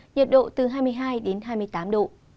nhiệt độ từ hai mươi hai đến hai mươi tám độ